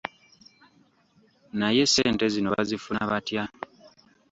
Naye ssente zino bazifuna batya?